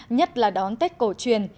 nhất là đón tết cổ truyền